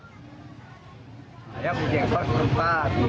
harga jengkol sepuluh empat